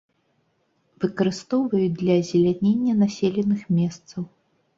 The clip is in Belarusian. Выкарыстоўваюць для азелянення населеных месцаў.